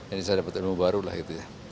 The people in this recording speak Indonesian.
ini saya dapat ilmu baru lah gitu ya